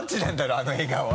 あの笑顔は。